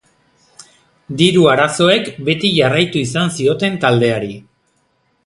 Diru arazoek beti jarraitu izan zioten taldeari.